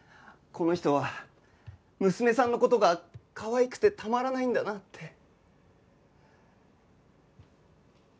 この人は娘さんの事がかわいくてたまらないんだなって。